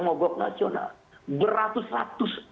ngobok nasional beratus ratus